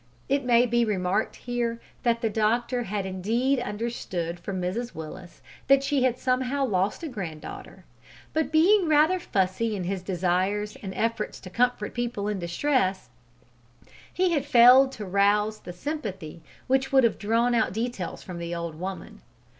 It may be remarked here that the doctor had indeed understood from Mrs Willis that she had somehow lost a granddaughter; but being rather fussy in his desires and efforts to comfort people in distress, he had failed to rouse the sympathy which would have drawn out details from the old woman.